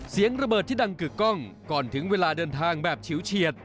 เสียงระเบิดที่ดังกึกกล้องก่อนถึงเวลาเดินทางแบบฉิวเฉียด